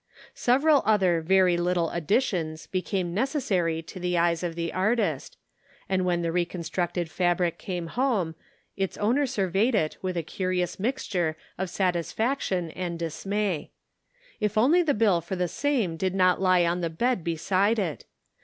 Several other very little additions became necessary to the eyes of the artist, and when the reconstructed fabric came home its owner surveyed it with a curious mixture of satisfaction and dismay. If only the bill for the same did not lie on the bed beside it.